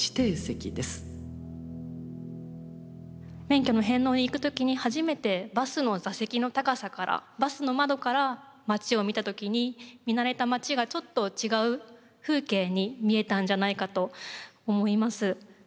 免許の返納に行く時に初めてバスの座席の高さからバスの窓から町を見た時に見慣れた町がちょっと違う風景に見えたんじゃないかと思います。